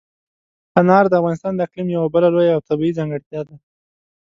انار د افغانستان د اقلیم یوه بله لویه او طبیعي ځانګړتیا ده.